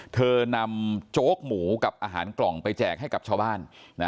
เธอนำโจ๊กหมูกับอาหารกล่องไปแจกให้กับชาวบ้าน